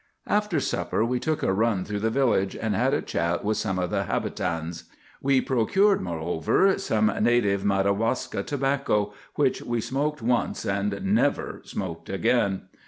After supper we took a run through the village, and had a chat with some of the habitans. We procured, moreover, some native Madawaska tobacco—which we smoked once, and never smoked again.